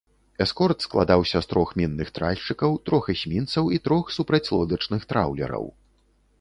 Эскорт складаўся з трох мінных тральшчыкаў, трох эсмінцаў і трох супрацьлодачных траўлераў.